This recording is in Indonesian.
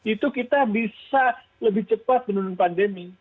itu kita bisa lebih cepat menurun pandemi